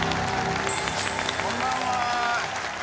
こんばんは。